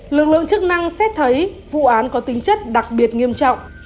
lực lượng chức năng xét thấy vụ án có tính chất đặc biệt nghiêm trọng